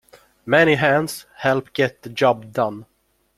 Many hands help get the job done.